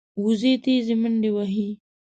وزې تېزه منډه وهي